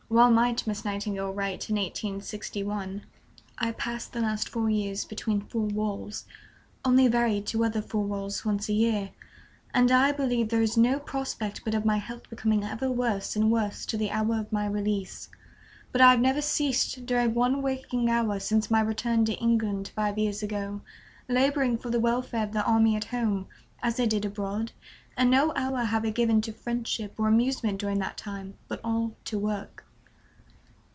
Well might Miss Nightingale write, in 1861: "I have passed the last four years between four walls, only varied to other four walls once a year; and I believe there is no prospect but of my health becoming ever worse and worse till the hour of my release. But I have never ceased, during one waking hour since my return to England five years ago, laboring for the welfare of the army at home, as I did abroad, and no hour have I given to friendship or amusement during that time, but all to work."